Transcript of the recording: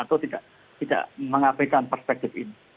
atau tidak mengabaikan perspektif ini